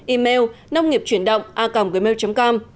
email nông nghiệpchuyểnđộnga gmail com